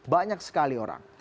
banyak sekali orang